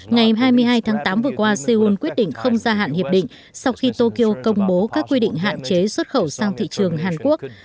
ngày hai mươi hai tháng tám vừa qua seoul quyết định không gia hạn hiệp định sau khi tokyo công bố các quy định hạn chế xuất khẩu sang thị trường hàn quốc